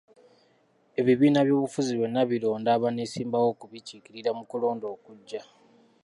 Ebibiina by'obufuzi byonna bironda abaneesimbawo okubikiikirira mu kulonda okujja.